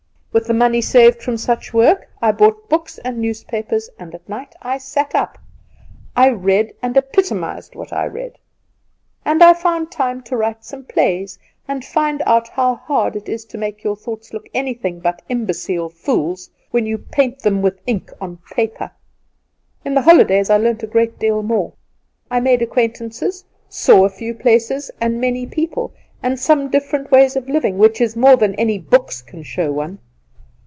With the money saved from such work I bought books and newspapers, and at night I sat up. I read, and epitomized what I read; and I found time to write some plays, and find out how hard it is to make your thoughts look anything but imbecile fools when you paint them with ink and paper. In the holidays I learnt a great deal more. I made acquaintances, saw a few places and many people, and some different ways of living, which is more than any books can show one.